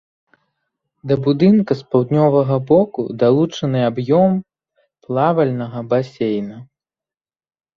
Да будынка з паўднёвага боку далучаны аб'ём плавальнага басейна.